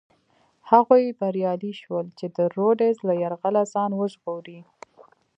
هغوی بریالي شول چې د رودز له یرغله ځان وژغوري.